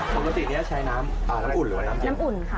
ปกตินี้ใช้น้ำอุ่นหรือน้ำเย็นน้ำอุ่นค่ะ